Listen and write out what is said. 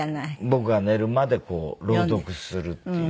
僕が寝るまで朗読するっていう。